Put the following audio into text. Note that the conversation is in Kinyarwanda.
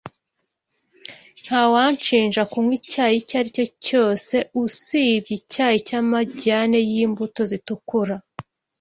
Nta wanshinja kunywa icyayi icyo aricyo cyose usibye icyayi cy’amajyane y’imbuto zitukura.